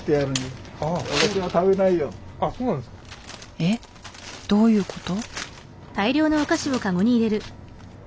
えっどういうこと？